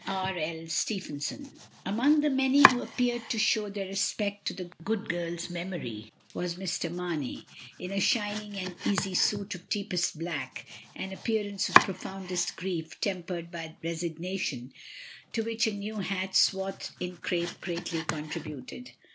R. L. Stephenson. Among the many who appeared to show their respect to the good Colonel's memory was Mr. Mar ney, in a shining and easy suit of deepest black, an appearance of profoundest grief tempered by re signation, to which a new hat swathed in crape greatly contributed.